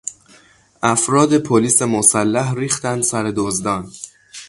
افراد پلیس مسلح ریختند سر دزدان.